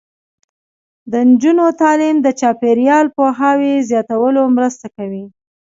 د نجونو تعلیم د چاپیریال پوهاوي زیاتولو مرسته کوي.